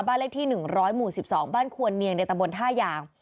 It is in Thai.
เลขที่๑๐๐หมู่๑๒บ้านควรเนียงในตะบนท่ายาง